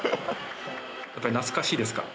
やっぱり懐かしいですか？